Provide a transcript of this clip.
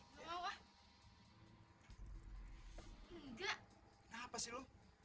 kenapa sih lo